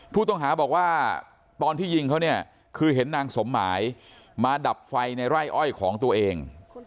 ผู้ต้องหาบอกว่าตอนที่ยิงเขาเนี่ยคือเห็นนางสมหมายมาดับไฟในไร่อ้อยของตัวเอง